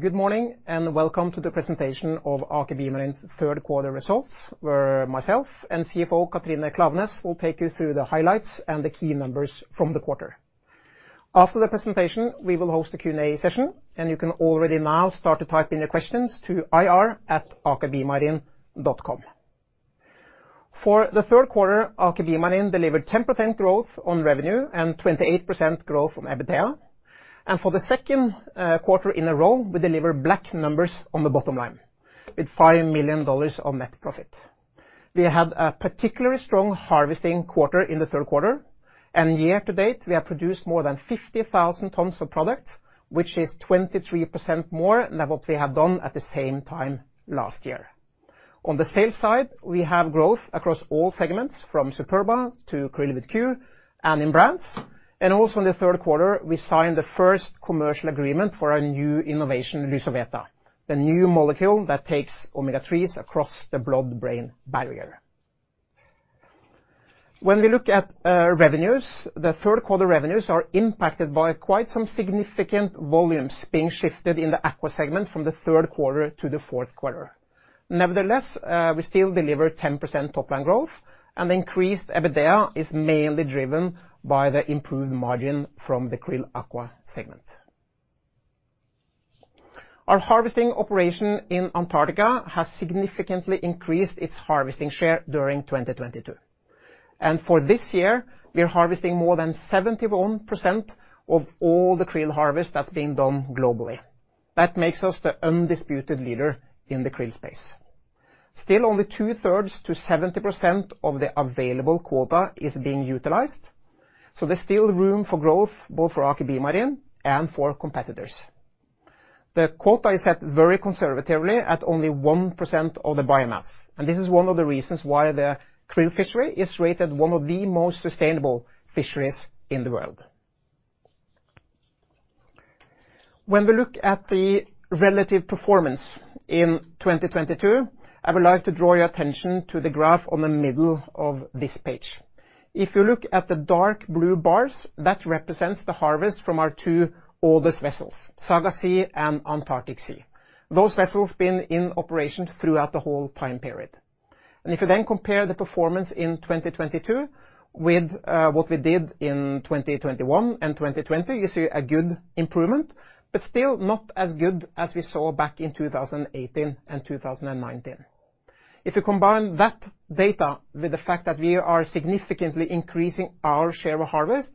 Good morning, and welcome to the presentation of Aker BioMarine's Third Quarter Results, where myself and CFO Katrine Klaveness will take you through the highlights and the key numbers from the quarter. After the presentation, we will host a Q&A session, and you can already now start to type in your questions to ir@akerbiomarine.com. For the third quarter, Aker BioMarine delivered 10% growth on revenue and 28% growth from EBITDA. For the second quarter in a row, we delivered black numbers on the bottom line, with $5 million of net profit. We had a particularly strong harvesting quarter in the third quarter, and year to date we have produced more than 50,000 tons of products, which is 23% more than what we have done at the same time last year. On the sales side, we have growth across all segments from Superba to QRILL with QHP and in brands. Also in the third quarter, we signed the first commercial agreement for our new innovation, LYSOVETA, the new molecule that takes Omega-3s across the blood-brain barrier. When we look at revenues, the third quarter revenues are impacted by quite some significant volumes being shifted in the aqua segment from the third quarter to the fourth quarter. Nevertheless, we still deliver 10% top line growth, and increased EBITDA is mainly driven by the improved margin from the QRILL aqua segment. Our harvesting operation in Antarctica has significantly increased its harvesting share during 2022. For this year, we are harvesting more than 71% of all the QRILL harvest that's being done globally. That makes us the undisputed leader in the QRILL space. Still only 2/3 to 70% of the available quota is being utilized, so there's still room for growth, both for Aker BioMarine and for competitors. The quota is set very conservatively at only 1% of the biomass, and this is one of the reasons why the QRILL fishery is rated one of the most sustainable fisheries in the world. When we look at the relative performance in 2022, I would like to draw your attention to the graph on the middle of this page. If you look at the dark blue bars, that represents the harvest from our two oldest vessels, Saga Sea and Antarctic Sea. Those vessels been in operation throughout the whole time period. If you then compare the performance in 2022 with what we did in 2021 and 2020, you see a good improvement, but still not as good as we saw back in 2018 and 2019. If you combine that data with the fact that we are significantly increasing our share of harvest,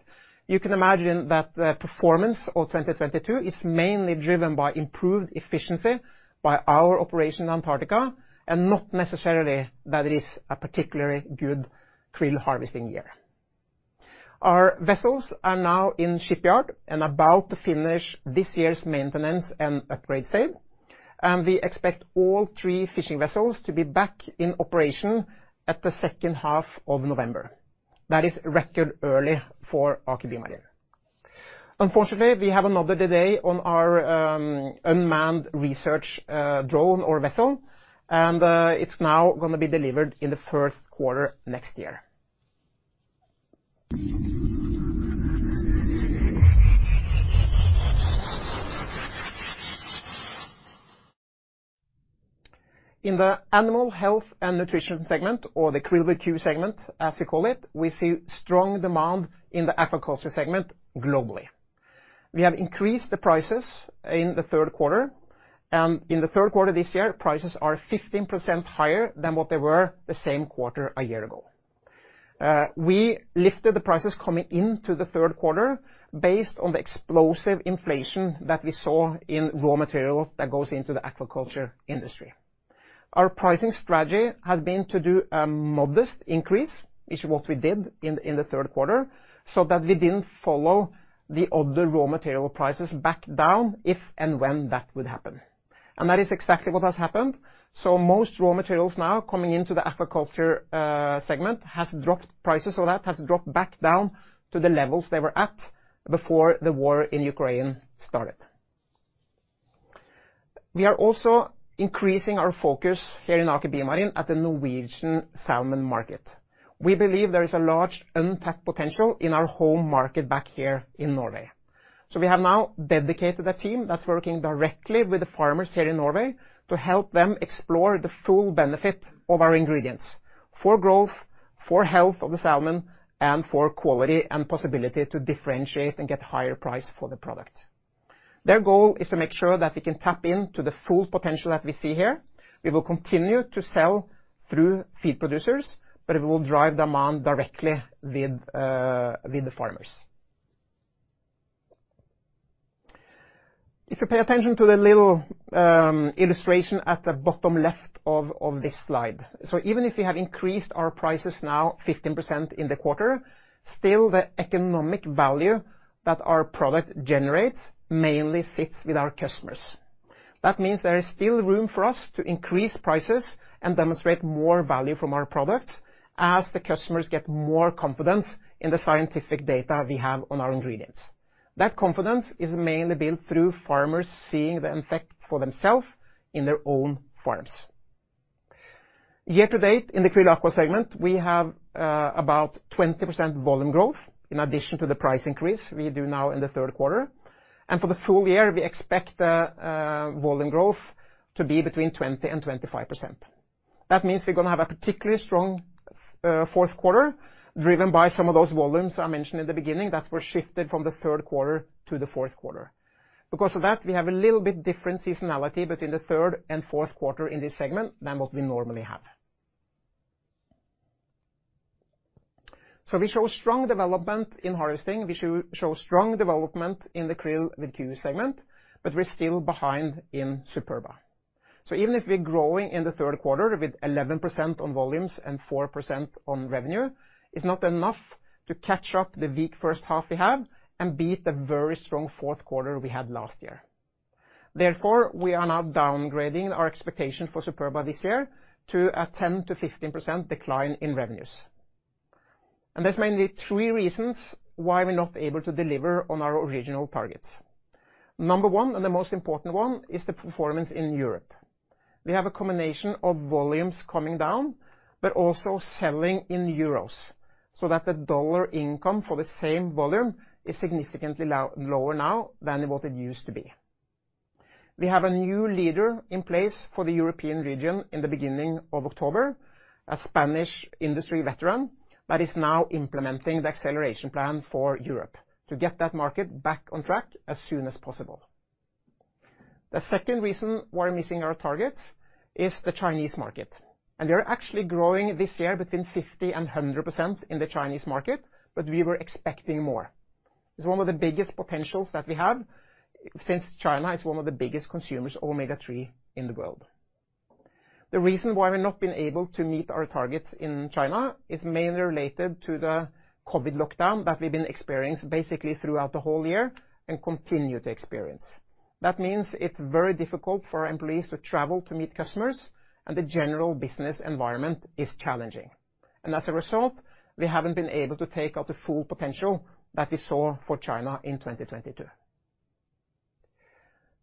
you can imagine that the performance of 2022 is mainly driven by improved efficiency by our operation in Antarctica, and not necessarily that it is a particularly good QRILL harvesting year. Our vessels are now in shipyard and about to finish this year's maintenance and upgrade sale. We expect all three fishing vessels to be back in operation at the second half of November. That is record early for Aker BioMarine. Unfortunately, we have another delay on our unmanned research drone or vessel. It's now gonna be delivered in the first quarter next year. In the animal health and nutrition segment, or the QRILL segment, as we call it, we see strong demand in the aquaculture segment globally. We have increased the prices in the third quarter. In the third quarter this year, prices are 15% higher than what they were the same quarter a year ago. We lifted the prices coming into the third quarter based on the explosive inflation that we saw in raw materials that goes into the aquaculture industry. Our pricing strategy has been to do a modest increase, which is what we did in the third quarter, so that we didn't follow the other raw material prices back down if and when that would happen. That is exactly what has happened. Most raw materials now coming into the aquaculture segment has dropped prices, so that has dropped back down to the levels they were at before the war in Ukraine started. We are also increasing our focus here in Aker BioMarine at the Norwegian salmon market. We believe there is a large untapped potential in our home market back here in Norway. We have now dedicated a team that's working directly with the farmers here in Norway to help them explore the full benefit of our ingredients for growth, for health of the salmon, and for quality and possibility to differentiate and get higher price for the product. Their goal is to make sure that we can tap into the full potential that we see here. We will continue to sell through feed producers, but we will drive demand directly with the farmers. If you pay attention to the little illustration at the bottom left of this slide. Even if you have increased our prices now 15% in the quarter, still the economic value that our product generates mainly sits with our customers. That means there is still room for us to increase prices and demonstrate more value from our products as the customers get more confidence in the scientific data we have on our ingredients. That confidence is mainly built through farmers seeing the effect for themselves in their own farms. Year-to-date in the QRILL Aqua segment, we have about 20% volume growth in addition to the price increase we do now in the third quarter. For the full year, we expect the volume growth to be between 20% and 25%. That means we're going to have a particularly strong fourth quarter driven by some of those volumes I mentioned in the beginning that were shifted from the third quarter to the fourth quarter. Because of that, we have a little bit different seasonality between the third and fourth quarter in this segment than what we normally have. We show strong development in harvesting. We show strong development in the QRILL value segment, but we're still behind in Superba. Even if we're growing in the third quarter with 11% on volumes and 4% on revenue, it's not enough to catch up the weak first half we have and beat the very strong fourth quarter we had last year. Therefore, we are now downgrading our expectation for Superba this year to a 10%-15% decline in revenues. There's mainly three reasons why we're not able to deliver on our original targets. Number one, and the most important one is the performance in Europe. We have a combination of volumes coming down but also selling in euros so that the dollar income for the same volume is significantly lower now than what it used to be. We have a new leader in place for the European region in the beginning of October, a Spanish industry veteran that is now implementing the acceleration plan for Europe to get that market back on track as soon as possible. The second reason we're missing our targets is the Chinese market, and we are actually growing this year between 50% and 100% in the Chinese market, but we were expecting more. It's one of the biggest potentials that we have since China is one of the biggest consumers of Omega-3 in the world. The reason why we've not been able to meet our targets in China is mainly related to the COVID lockdown that we've been experienced basically throughout the whole year and continue to experience. That means it's very difficult for our employees to travel to meet customers and the general business environment is challenging. As a result, we haven't been able to take out the full potential that we saw for China in 2022.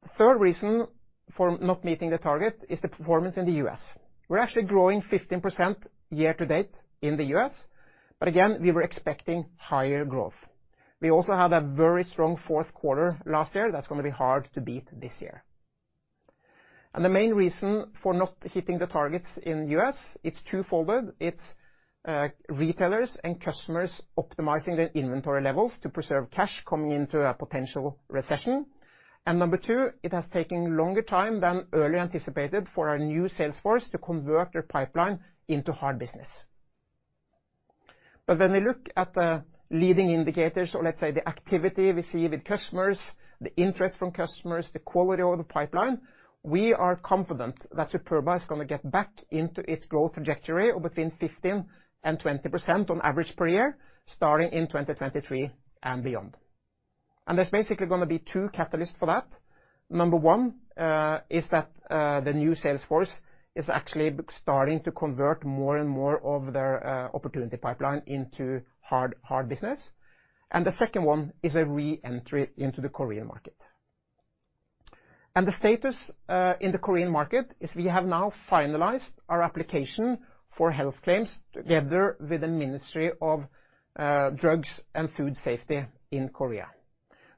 The third reason for not meeting the target is the performance in the U.S. We're actually growing 15% year-to-date in the U.S., but again, we were expecting higher growth. We also had a very strong fourth quarter last year that's going to be hard to beat this year. The main reason for not hitting the targets in the U.S., it's twofold. It's retailers and customers optimizing their inventory levels to preserve cash coming into a potential recession. Number two, it has taken longer time than earlier anticipated for our new sales force to convert their pipeline into hard business. When we look at the leading indicators or let's say the activity we see with customers, the interest from customers, the quality of the pipeline, we are confident that Superba is going to get back into its growth trajectory of between 15%-20% on average per year, starting in 2023 and beyond. There's basically going to be two catalysts for that. Number one is that the new sales force is actually starting to convert more and more of their opportunity pipeline into hard business. The second one is a re-entry into the Korean market. The status in the Korean market is we have now finalized our application for health claims together with the Ministry of Food and Drug Safety in Korea.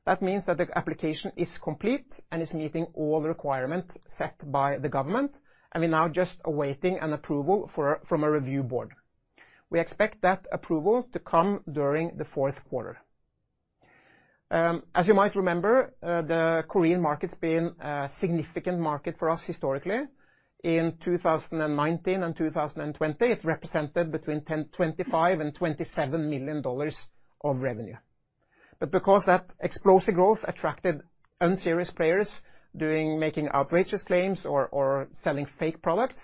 That means that the application is complete and is meeting all the requirements set by the government, and we're now just awaiting an approval from a review board. We expect that approval to come during the fourth quarter. As you might remember, the Korean market's been a significant market for us historically. In 2019 and 2020, it represented between $25 million and $27 million of revenue. Because that explosive growth attracted unserious players doing making outrageous claims or selling fake products,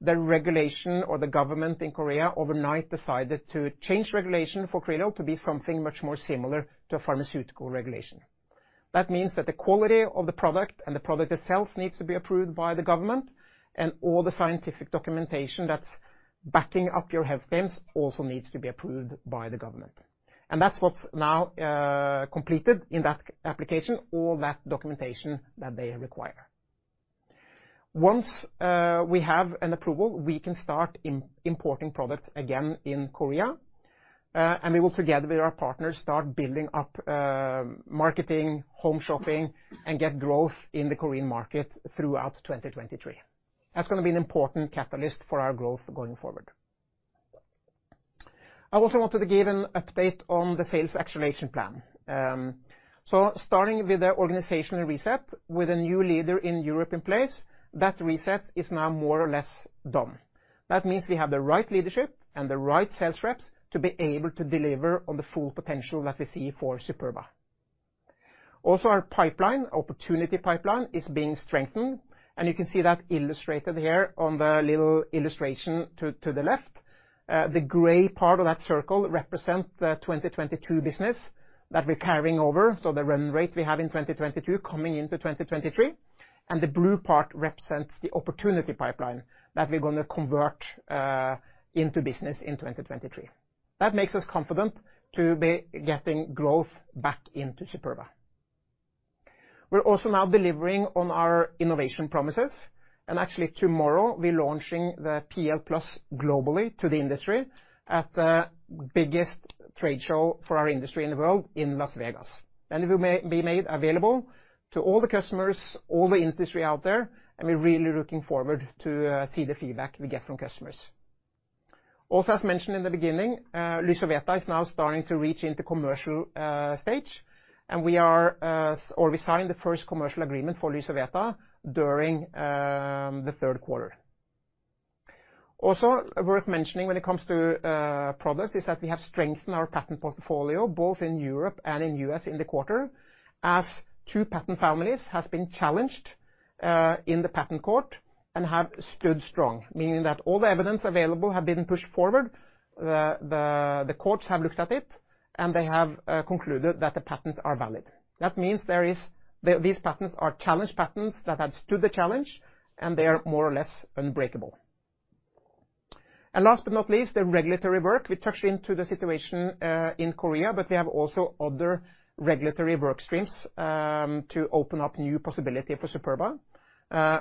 the regulation or the government in Korea overnight decided to change regulation Krill oil to be something much more similar to a pharmaceutical regulation. That means that the quality of the product and the product itself needs to be approved by the government, and all the scientific documentation that's backing up your health claims also needs to be approved by the government. That's what's now completed in that application, all that documentation that they require. Once we have an approval, we can start importing products again in Korea, and we will, together with our partners, start building up marketing, home shopping, and get growth in the Korean market throughout 2023. That's going to be an important catalyst for our growth going forward. I also wanted to give an update on the sales acceleration plan. Starting with the organizational reset with a new leader in Europe in place, that reset is now more or less done. That means we have the right leadership and the right sales reps to be able to deliver on the full potential that we see for Superba. Also, our pipeline, opportunity pipeline is being strengthened, and you can see that illustrated here on the little illustration to the left. The gray part of that circle represent the 2022 business that we're carrying over, so the run rate we have in 2022 coming into 2023. The blue part represents the opportunity pipeline that we're going to convert into business in 2023. That makes us confident to be getting growth back into Superba. We're also now delivering on our innovation promises, and actually tomorrow we're launching the PL+ globally to the industry at the biggest trade show for our industry in the world in Las Vegas. It will maybe be made available to all the customers, all the industry out there, and we're really looking forward to see the feedback we get from customers. Also, as mentioned in the beginning, LYSOVETA is now starting to reach into commercial stage, and we are or we signed the first commercial agreement for LYSOVETA during the third quarter. Also worth mentioning when it comes to products is that we have strengthened our patent portfolio, both in Europe and in U.S. in the quarter, as two patent families has been challenged in the patent court and have stood strong, meaning that all the evidence available have been pushed forward. The courts have looked at it, and they have concluded that the patents are valid. That means there is. These patents are challenged patents that have stood the challenge, and they are more or less unbreakable. Last but not least, the regulatory work. We touched into the situation in Korea, but we have also other regulatory work streams to open up new possibility for Superba.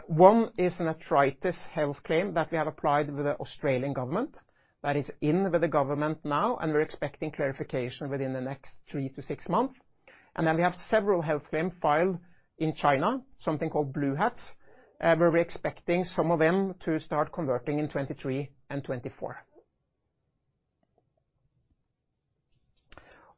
One is an arthritis health claim that we have applied with the Australian government. That is in with the government now, and we're expecting clarification within the next three to six months. Then we have several health claim filed in China, something called Blue Hats, where we're expecting some of them to start converting in 2023 and 2024.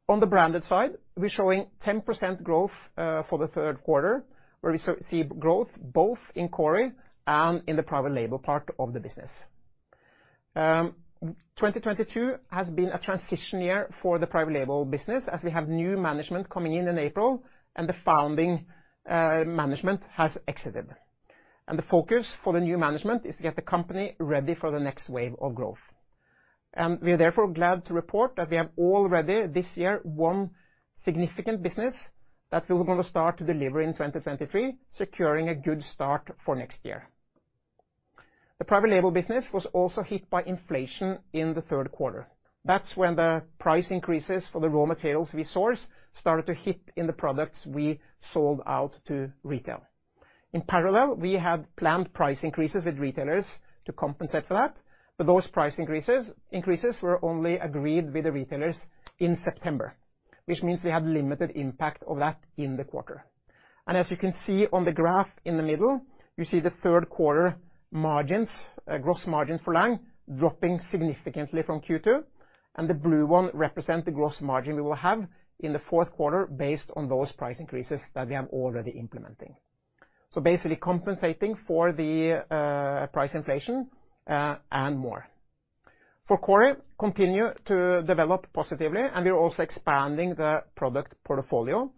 On the branded side, we're showing 10% growth for the third quarter, where we see growth both in Kori and in the private label part of the business. 2022 has been a transition year for the private label business as we have new management coming in in April and the founding management has exited. The focus for the new management is to get the company ready for the next wave of growth. We are therefore glad to report that we have already this year one significant business that we're gonna start to deliver in 2023, securing a good start for next year. The private label business was also hit by inflation in the third quarter. That's when the price increases for the raw materials we source started to hit in the products we sold out to retail. In parallel, we had planned price increases with retailers to compensate for that, but those price increases were only agreed with the retailers in September, which means we had limited impact of that in the quarter. As you can see on the graph in the middle, you see the third quarter margins, gross margins for Lang dropping significantly from Q2, and the blue one represent the gross margin we will have in the fourth quarter based on those price increases that we have already implementing. Basically compensating for the price inflation, and more. For Kori, continue to develop positively, and we're also expanding the product portfolio.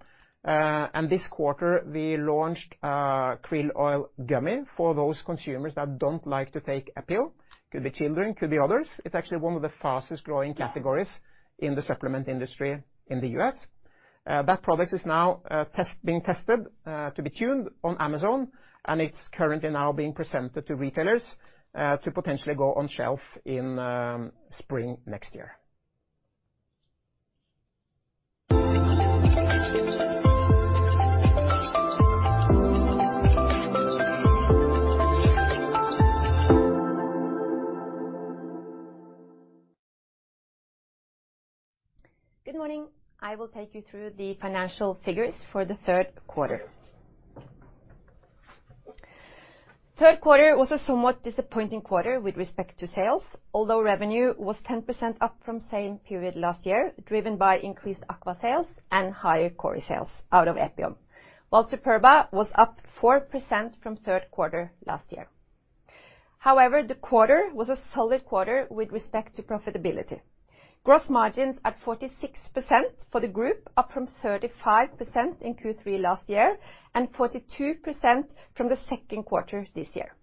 This quarter we launched a Krill oil gummy for those consumers that don't like to take a pill. Could be children, could be others. It's actually one of the fastest growing categories in the supplement industry in the U.S.. That product is now being tested to be launched on Amazon, and it's currently now being presented to retailers to potentially go on shelf in spring next year. Good morning. I will take you through the financial figures for the third quarter. Third quarter was a somewhat disappointing quarter with respect to sales, although revenue was 10% up from same period last year, driven by increased Aqua sales and higher Kori sales out of Epion. While Superba was up 4% from third quarter last year. However, the quarter was a solid quarter with respect to profitability. Gross margins at 46% for the group, up from 35% in Q3 last year, and 42% from the second quarter this year.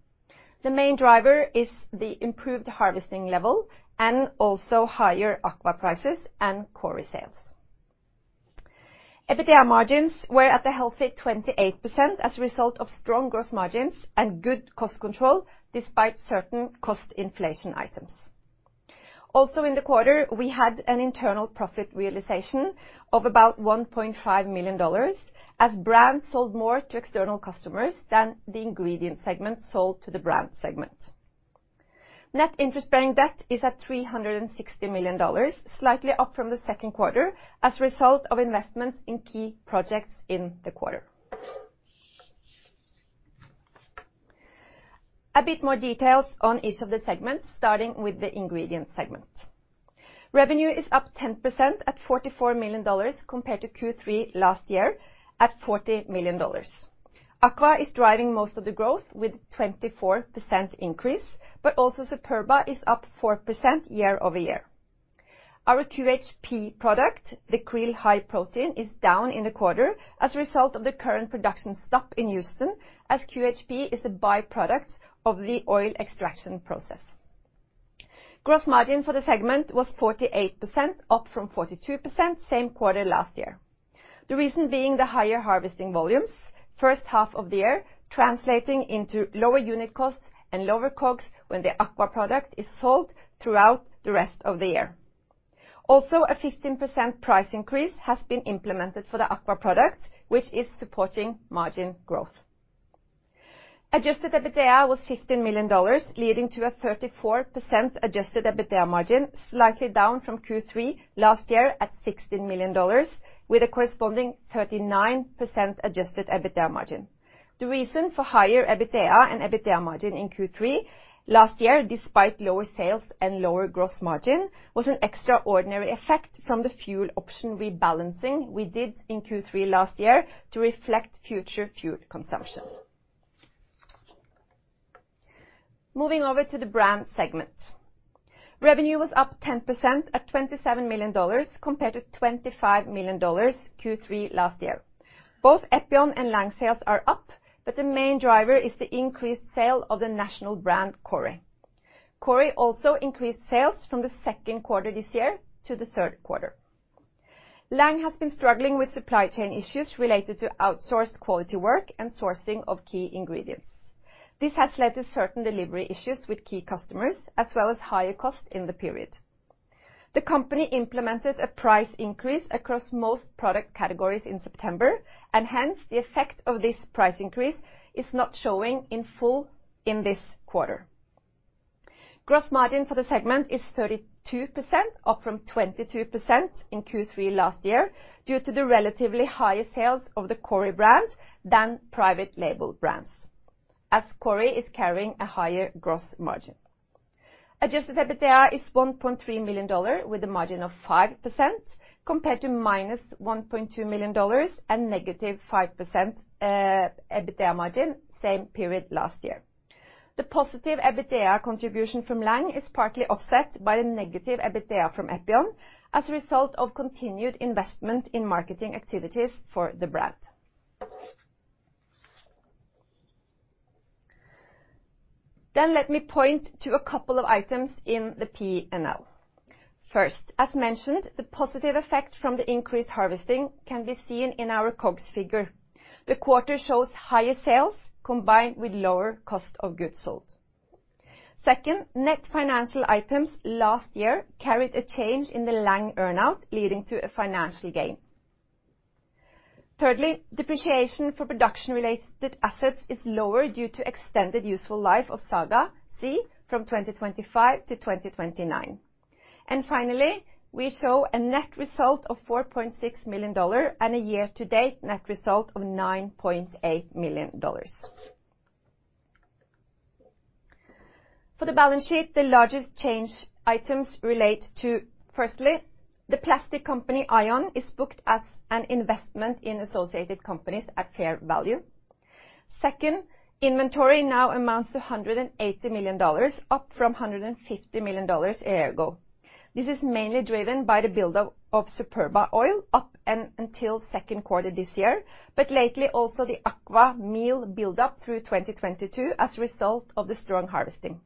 The main driver is the improved harvesting level and also higher Aqua prices and Kori sales. EBITDA margins were at a healthy 28% as a result of strong gross margins and good cost control despite certain cost inflation items. In the quarter, we had an internal profit realization of about $1.5 million, as brands sold more to external customers than the ingredient segment sold to the brand segment. Net interest-bearing debt is at $360 million, slightly up from the second quarter, as a result of investments in key projects in the quarter. A bit more details on each of the segments, starting with the ingredient segment. Revenue is up 10% at $44 million, compared to Q3 last year at $40 million. Aqua is driving most of the growth with 24% increase, but also Superba is up 4% year-over-year. Our QHP product, QRILL High Protein, is down in the quarter as a result of the current production stop in Houston, as QHP is a by-product of the oil extraction process. Gross margin for the segment was 48%, up from 42% same quarter last year. The reason being the higher harvesting volumes first half of the year, translating into lower unit costs and lower COGS when the Aqua product is sold throughout the rest of the year. Also, a 15% price increase has been implemented for the Aqua products, which is supporting margin growth. Adjusted EBITDA was $15 million, leading to a 34% adjusted EBITDA margin, slightly down from Q3 last year at $16 million, with a corresponding 39% adjusted EBITDA margin. The reason for higher EBITDA and EBITDA margin in Q3 last year, despite lower sales and lower gross margin, was an extraordinary effect from the fuel option rebalancing we did in Q3 last year to reflect future fuel consumption. Moving over to the brand segment. Revenue was up 10% at $27 million compared to $25 million Q3 last year. Both Epion and Lang sales are up, but the main driver is the increased sale of the national brand, Kori. Kori also increased sales from the second quarter this year to the third quarter. Lang has been struggling with supply chain issues related to outsourced quality work and sourcing of key ingredients. This has led to certain delivery issues with key customers, as well as higher cost in the period. The company implemented a price increase across most product categories in September, and hence, the effect of this price increase is not showing in full in this quarter. Gross margin for the segment is 32%, up from 22% in Q3 last year, due to the relatively higher sales of the Kori brand than private label brands, as Kori is carrying a higher gross margin. Adjusted EBITDA is $1.3 million with a margin of 5% compared to -$1.2 million and -5% EBITDA margin, same period last year. The positive EBITDA contribution from Lang is partly offset by the negative EBITDA from Epion as a result of continued investment in marketing activities for the brand. Let me point to a couple of items in the P&L. First, as mentioned, the positive effect from the increased harvesting can be seen in our COGS figure. The quarter shows higher sales combined with lower cost of goods sold. Second, net financial items last year carried a change in the Lang earn-out, leading to a financial gain. Thirdly, depreciation for production-related assets is lower due to extended useful life of Saga Sea from 2025 to 2029. Finally, we show a net result of $4.6 million and a year-to-date net result of $9.8 million. For the balance sheet, the largest change items relate to, firstly, the plastic company, AION, is booked as an investment in associated companies at fair value. Second, inventory now amounts to $180 million, up from $150 million a year ago. This is mainly driven by the buildup of Superba oil up until second quarter this year, but lately also the Aqua meal buildup through 2022 as a result of the strong harvesting.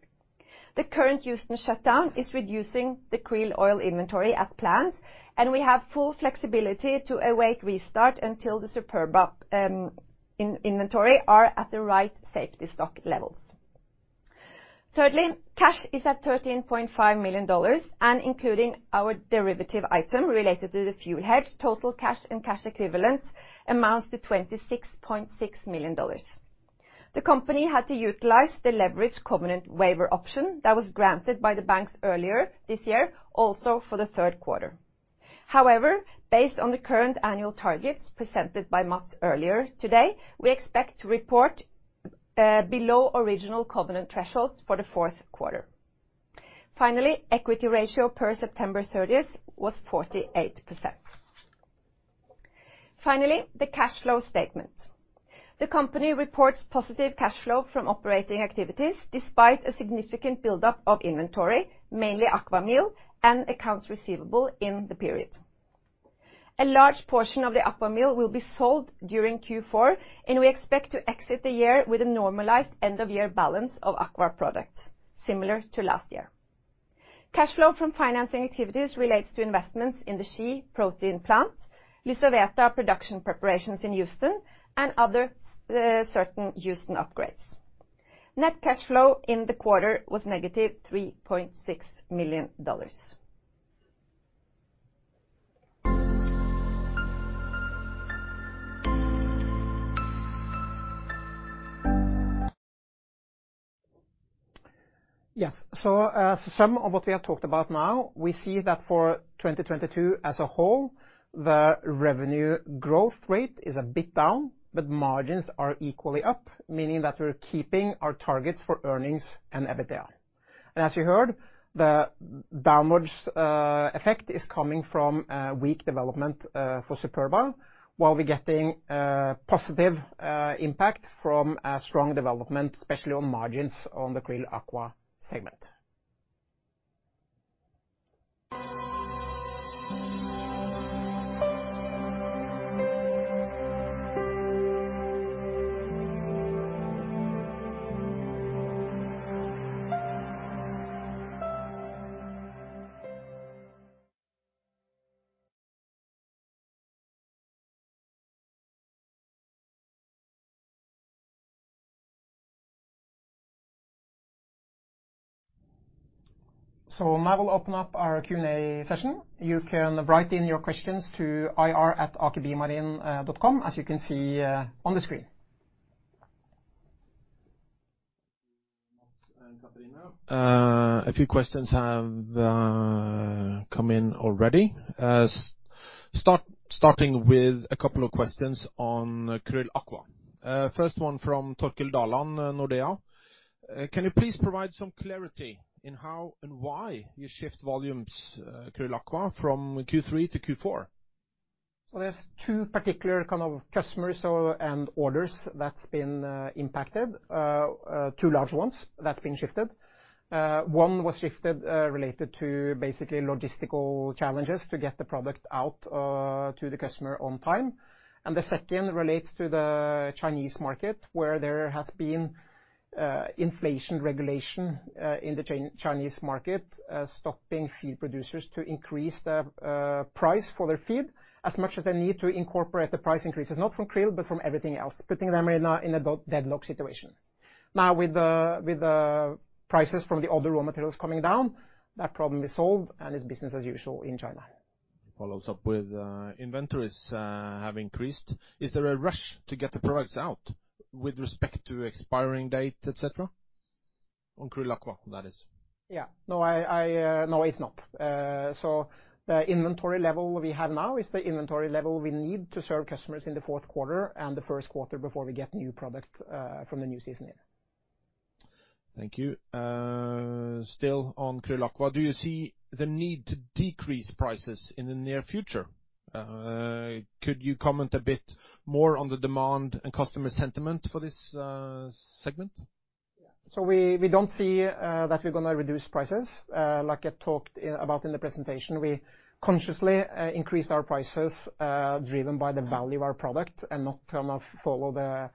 The current Houston shutdown is reducing the Krill oil inventory as planned, and we have full flexibility to await restart until the Superba inventory are at the right safety stock levels. Thirdly, cash is at $13.5 million, and including our derivative item related to the fuel hedge, total cash and cash equivalents amounts to $26.6 million. The company had to utilize the leverage covenant waiver option that was granted by the banks earlier this year, also for the third quarter. However, based on the current annual targets presented by Matts earlier today, we expect to report below original covenant thresholds for the fourth quarter. Finally, equity ratio per September 30th was 48%. Finally, the cash flow statement. The company reports positive cash flow from operating activities despite a significant buildup of inventory, mainly Aqua meal and accounts receivable in the period. A large portion of the Aqua meal will be sold during Q4, and we expect to exit the year with a normalized end of year balance of Aqua products similar to last year. Cash flow from financing activities relates to investments in the Ski protein plant, LYSOVETA production preparations in Houston, and other certain Houston upgrades. Net cash flow in the quarter was negative $3.6 million. Yes. As some of what we have talked about now, we see that for 2022 as a whole, the revenue growth rate is a bit down, but margins are equally up, meaning that we're keeping our targets for earnings and EBITDA. As you heard, the downward effect is coming from weak development for Superba, while we're getting positive impact from a strong development, especially on margins on the QRILL Aqua segment. Now we'll open up our Q&A session. You can write in your questions to ir@akerbiomarine.com, as you can see on the screen. Katrine, a few questions have come in already. Starting with a couple of questions on QRILL Aqua. First one from Torkil Dalan, Nordea. Can you please provide some clarity in how and why you shift volumes QRILL Aqua from Q3 to Q4? Well, there's two particular kind of customers and orders that's been impacted. Two large ones that's been shifted. One was shifted related to basically logistical challenges to get the product out to the customer on time. The second relates to the Chinese market, where there has been inflation regulation in the Chinese market stopping feed producers to increase the price for their feed as much as they need to incorporate the price increases, not from QRILL, but from everything else, putting them in a deadlock situation. Now, with the prices from the other raw materials coming down, that problem is solved and it's business as usual in China. Follows up with inventories have increased. Is there a rush to get the products out with respect to expiration date, et cetera? On QRILL Aqua, that is. Yeah. No, I no, it's not. The inventory level we have now is the inventory level we need to serve customers in the fourth quarter and the first quarter before we get new product from the new season in. Thank you. Still on QRILL Aqua. Do you see the need to decrease prices in the near future? Could you comment a bit more on the demand and customer sentiment for this segment? We don't see that we're gonna reduce prices. Like I talked about in the presentation, we consciously increased our prices, driven by the value of our product and not try and follow the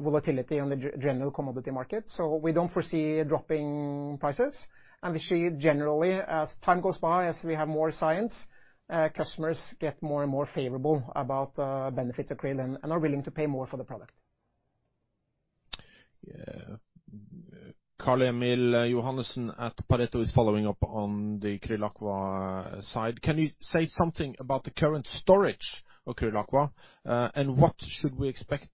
volatility on the general commodity market. We don't foresee dropping prices. We see generally as time goes by, as we have more science, customers get more and more favorable about the benefits of QRILL and are willing to pay more for the product. Yeah. Carl Emil Johannessen at Pareto is following up on the QRILL Aqua side. Can you say something about the current storage of QRILL Aqua? And what should we expect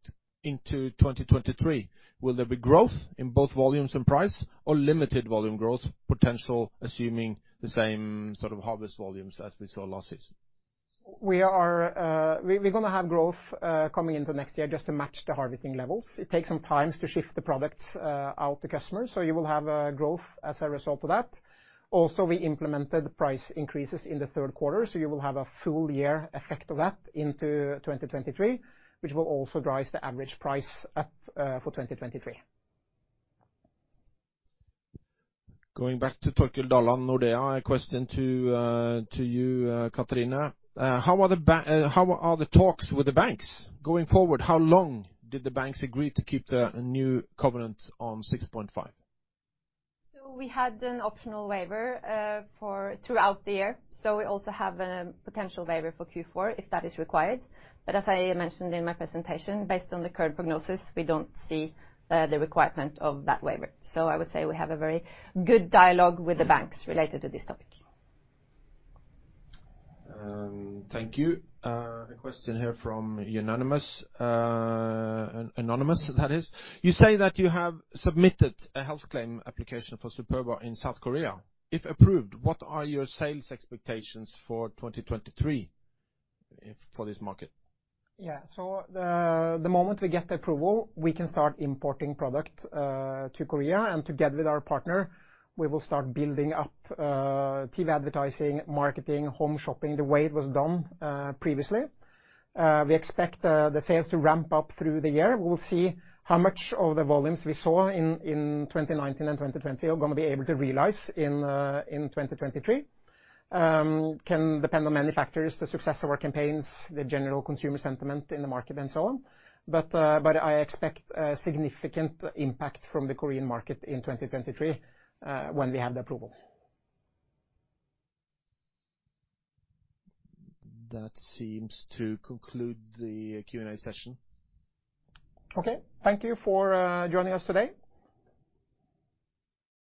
into 2023? Will there be growth in both volumes and price or limited volume growth potential, assuming the same sort of harvest volumes as we saw last season? We're gonna have growth coming into next year just to match the harvesting levels. It takes some time to shift the products out to customers, so you will have growth as a result of that. Also, we implemented price increases in the third quarter, so you will have a full year effect of that into 2023, which will also drive the average price up for 2023. Going back to Torkil Dalan, Nordea, a question to you, Katrine. How are the talks with the banks? Going forward, how long did the banks agree to keep the new covenant on 6.5? We had an optional waiver for throughout the year, so we also have a potential waiver for Q4 if that is required. As I mentioned in my presentation, based on the current prognosis, we don't see the requirement of that waiver. I would say we have a very good dialogue with the banks related to this topic. Thank you. A question here from Anonymous. You say that you have submitted a health claim application for Superba in South Korea. If approved, what are your sales expectations for 2023 for this market? The moment we get the approval, we can start importing product to Korea. Together with our partner, we will start building up TV advertising, marketing, home shopping, the way it was done previously. We expect the sales to ramp up through the year. We'll see how much of the volumes we saw in 2019 and 2020 are gonna be able to realize in 2023. It can depend on many factors, the success of our campaigns, the general consumer sentiment in the market and so on. I expect a significant impact from the Korean market in 2023, when we have the approval. That seems to conclude the Q&A session. Okay. Thank you for joining us today.